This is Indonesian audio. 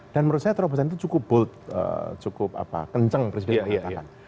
dan menurut saya terobosan itu cukup bold cukup kencang presiden mengatakan